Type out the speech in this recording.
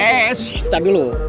eh eh eh shhh tar dulu